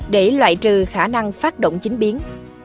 để loại trừ khả năng phát động chính biến